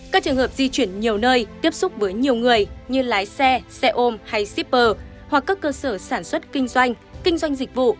các trường hợp di chuyển nhiều nơi tiếp xúc với nhiều người như lái xe xe ôm hay shipper hoặc các cơ sở sản xuất kinh doanh kinh doanh dịch vụ